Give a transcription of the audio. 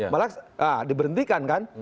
balas diberhentikan kan